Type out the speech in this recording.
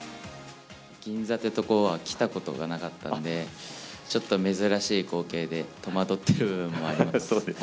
銀座ってとこは来たことがなかったので、ちょっと珍しい光景で、戸惑ってる部分もあります。